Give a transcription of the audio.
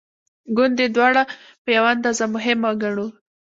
ګوندې دواړه په یوه اندازه مهمه ګڼو.